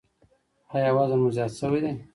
ایا وزن مو زیات شوی دی؟